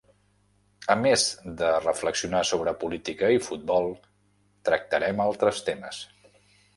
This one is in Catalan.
A més de reflexionar sobre política i futbol, tractarem altres temes.